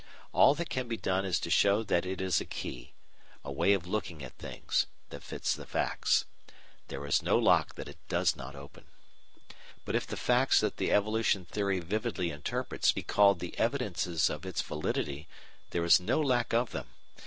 All that can be done is to show that it is a key a way of looking at things that fits the facts. There is no lock that it does not open. But if the facts that the evolution theory vividly interprets be called the evidences of its validity, there is no lack of them.